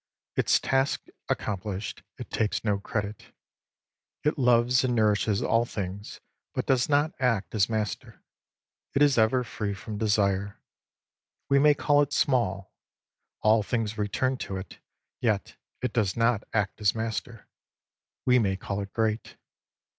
Its task accomplished, it takes no credit. It loves and nourishes all things, but does not act as master. It is ever free from desire. We may call it small. All things return to it, yet it does not act as master. We may call it great.